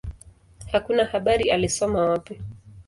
Hakuna habari alisoma wapi.